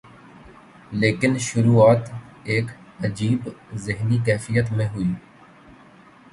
لیکن شروعات ایک عجیب ذہنی کیفیت میں ہوئی۔